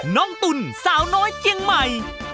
ตุ๋นสาวน้อยเจียงใหม่